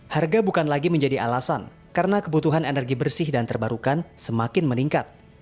harga bukan lagi menjadi alasan karena kebutuhan energi bersih dan terbarukan semakin meningkat